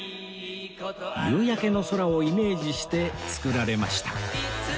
夕焼けの空をイメージして作られました